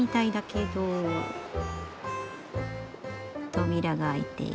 扉が開いている。